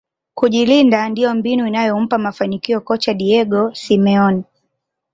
kujilinda ndio mbinu inayompa mafanikio kocha diego simeone